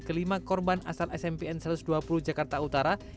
kelima korban asal smp n satu ratus dua puluh jakarta utara